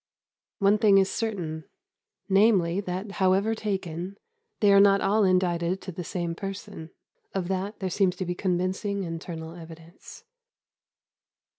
One thing is certain, namely, that, however taken, they are not all indited to the same person; of that there seems to be convincing internal evidence.